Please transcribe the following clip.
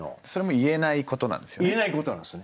言えないことなんですね。